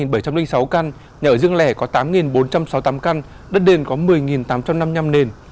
nhà ở dương lẻ có tám bốn trăm sáu mươi tám căn đất nền có một mươi tám trăm năm mươi năm nền